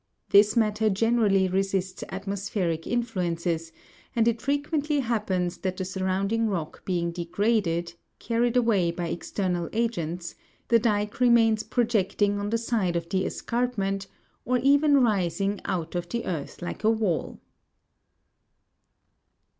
This matter generally re sists atmospheric influences, and it frequently happens that the surrounding rock being degraded, carried away by external agents, f the dyke remains projecting on the side of the escarpment (jig 203), or even rising out of the Fig . 203. Dyke brought into view by earth like a wall.